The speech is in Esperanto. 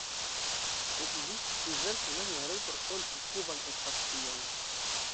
Ekzistas diversaj manieroj por solvi kuban ekvacion.